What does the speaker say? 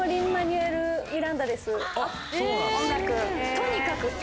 とにかく。